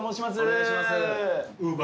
お願いします。